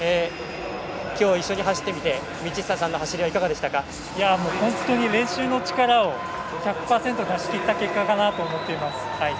きょう、一緒に走ってみて道下さんの走りは本当に練習の力を１００％出しきった結果かなと思っています。